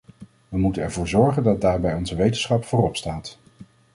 We moeten ervoor zorgen dat daarbij onze wetenschap voorop staat.